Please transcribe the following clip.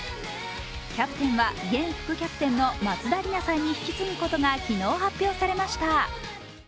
キャプテンは現副キャプテンの松田里奈さんに引き継ぐことが昨日発表されました。